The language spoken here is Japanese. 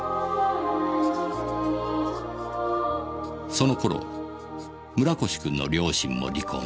その頃村越君の両親も離婚した。